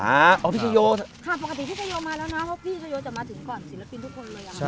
เพราะพี่ชัยโยจะมาถึงก่อนศิลปินทุกคนเลย